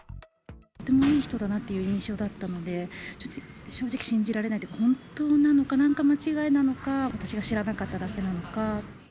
とてもいい人だなという印象だったので、ちょっと、正直信じられないというか、本当なのか、何か間違いなのか、私が知らなかっただけなのか。